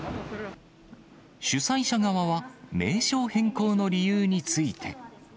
主催者側は、名称変更の理由について。